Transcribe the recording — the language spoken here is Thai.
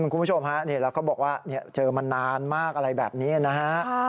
คุณผู้ชมฮะนี่แล้วเขาบอกว่าเจอมานานมากอะไรแบบนี้นะฮะ